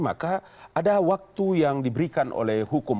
maka ada waktu yang diberikan oleh hukum